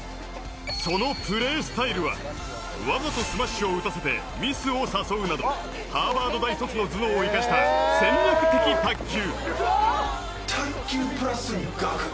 そのプレースタイルはわざとスマッシュを打たせてミスを誘うなどハーバード大卒の頭脳を生かした戦略的卓球。